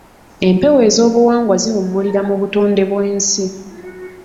Empewo ez’obuwangwa ziwummulira mu butonde bw’ensi.